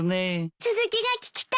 続きが聞きたい！